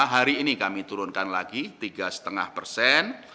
hari ini kami turunkan lagi tiga lima persen